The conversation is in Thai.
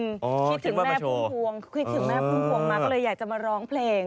คิดถึงแม่ภูมิภวงมาก็เลยอยากจะมาร้องเพลง